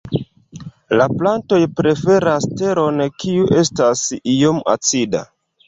La plantoj preferas teron, kiu estas iom acida.